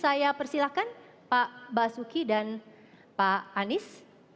saya persilahkan pak basuki dan pak anies